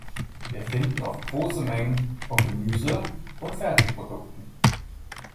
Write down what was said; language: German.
Wir finden oft große Mengen von Gemüse und Fertigprodukten.